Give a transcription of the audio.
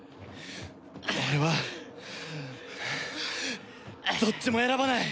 俺はどっちも選ばない！